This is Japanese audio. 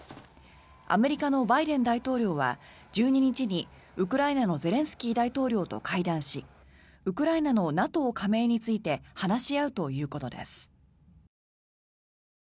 アメリカのバイデン大統領は１２日にウクライナのゼレンスキー大統領と会談しウクライナのＮＡＴＯ加盟について話し合うということです。